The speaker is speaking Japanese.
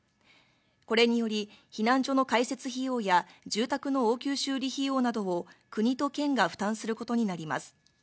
これにより、避難所の開設費用や住宅の応急修理費用などを国と県が負担することになります。